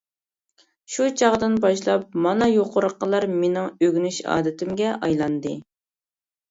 شۇ چاغدىن باشلاپ، مانا يۇقىرىقىلار مېنىڭ ئۆگىنىش ئادىتىمگە ئايلاندى.